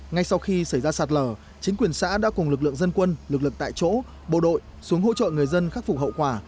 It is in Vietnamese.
ngay sau khi xảy ra sạt lở chính quyền xã đã cùng lực lượng dân quân lực lượng tại chỗ bộ đội xuống hỗ trợ người dân khắc phục hậu quả